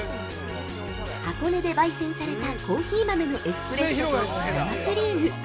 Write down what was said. ◆箱根で、ばい煎されたコーヒー豆のエスプレッソと生クリーム。